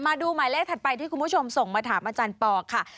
มาดูหมายเลขถัดไปที่คุณผู้ชมส่งมาถามอาจารย์ปอค่ะ